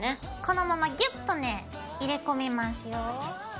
このままギュッとね入れ込みますよ。